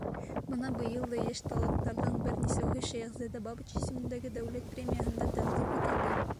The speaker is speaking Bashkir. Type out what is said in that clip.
Бына быйыл да йәш таланттарҙың бер нисәүһе Шәйехзада Бабич исемендәге дәүләт премияһына тәҡдим ителде.